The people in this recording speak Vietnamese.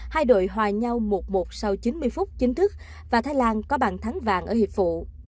hai đội hòa nhau một một sau chín mươi phút chính thức và thái lan có bàn thắng vàng ở hiệp vụ